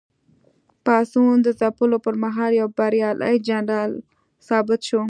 پاڅون د ځپلو پر مهال یو بریالی جنرال ثابت شو.